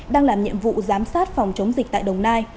đang làm nhiệm vụ giám sát phòng chống dịch tại đồng nai